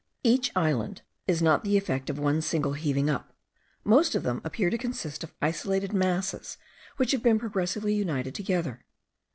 Each island is not the effect of one single heaving up: most of them appear to consist of isolated masses which have been progressively united together.